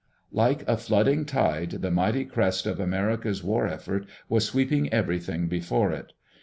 Like a flooding tide the mighty crest of America's war effort was sweeping everything before it.